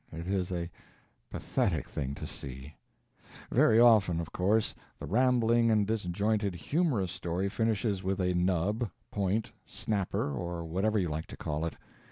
It is a pathetic thing to see. Very often, of course, the rambling and disjointed humorous story finishes with a nub, point, snapper, or whatever you like to call it.